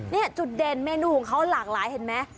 นี่จุดเด่นเมนูของเขาหลากหลายเห็นไหม